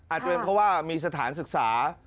อาจจะเป็นเพราะว่ามีสถานศึกษา